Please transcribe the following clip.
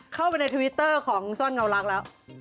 เข้าไปในทวิตเตอร์ของซ่อนเงาลักษณ์แล้ว